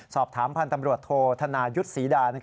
สอบถามพันธ์ตำรวจโทธนายุทธ์ศรีดา